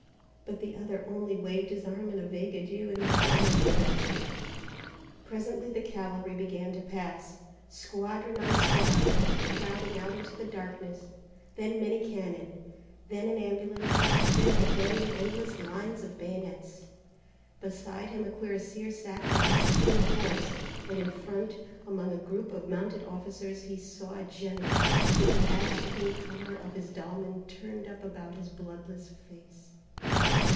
but the other only waved his arm in a vague adieu and was gone with the rest. Presently the cavalry began to pass, squadron on squadron, crowding out into the darkness; then many cannon, then an ambulance, then again the endless lines of bayonets. Beside him a cuirassier sat on his steaming horse, and in front, among a group of mounted officers he saw a general, with the astrakan collar of his dolman turned up about his bloodless face.